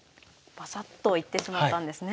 バサッといってしまったんですね。